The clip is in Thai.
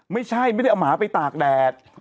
ไม่ได้เอาหมาไปตากแดด